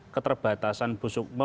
keterbatasan bu sukma